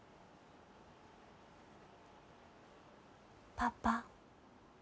パパ。